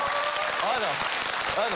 ありがとうございます。